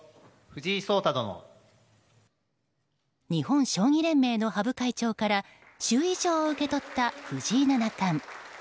日本将棋連盟の羽生会長から就位状を受け取った藤井七冠。